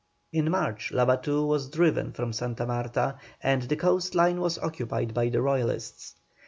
In March, Labatut was driven from Santa Marta, and the coast line was occupied by the Royalists.